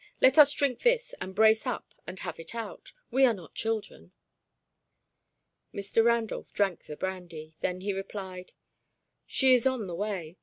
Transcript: "Let us drink this and brace up and have it out. We are not children." Mr. Randolph drank the brandy. Then he replied, "She is on the way.